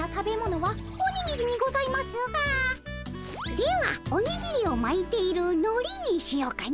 では「おにぎりをまいているのり」にしようかの。